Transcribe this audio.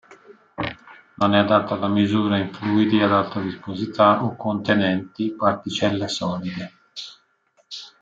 Non è adatto alla misura in fluidi ad alta viscosità o contenenti particelle solide.